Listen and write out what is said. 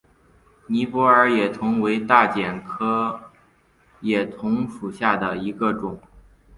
尼泊尔野桐为大戟科野桐属下的一个种。